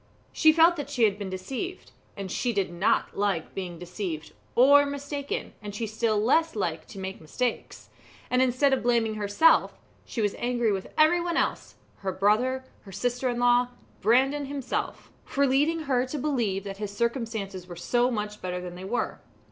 She felt that she had been deceived, and she did not like being deceived, or mistaken, and she still less liked to make mistakes; and instead of blaming herself, she was angry with everyone else her brother, her sister in law, Brandon himself for leading her to believe that his circumstances were so much better than they were.